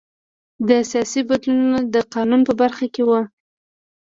دا سیاسي بدلونونه د قانون په برخه کې وو